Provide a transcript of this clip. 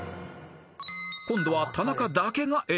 ［今度は田中だけがＡ］